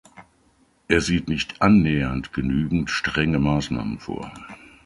Er sieht nicht annähernd genügend strenge Maßnahmen vor.